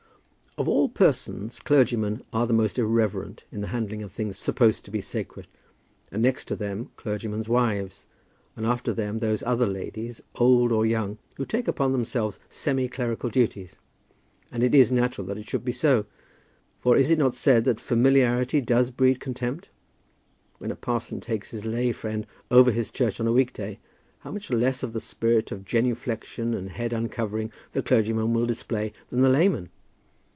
Of all persons clergymen are the most irreverent in the handling of things supposed to be sacred, and next to them clergymen's wives, and after them those other ladies, old or young, who take upon themselves semi clerical duties. And it is natural that it should be so; for is it not said that familiarity does breed contempt? When a parson takes his lay friend over his church on a week day, how much less of the spirit of genuflexion and head uncovering the clergyman will display than the layman!